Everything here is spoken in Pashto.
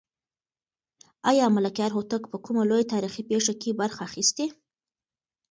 آیا ملکیار هوتک په کومه لویه تاریخي پېښه کې برخه اخیستې؟